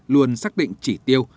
luôn xác định chỉ tiêu